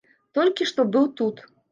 Толькі што быў тут.